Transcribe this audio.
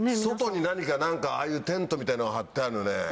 外に何かああいうテントみたいなの張ってあるね。